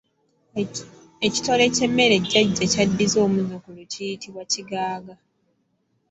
Ekitole ky’emmere jjajja ky'addiza omuzzukulu kiyitibwa kigaaga.